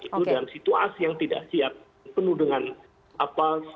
itu dalam situasi yang tidak siap penuh dengan apa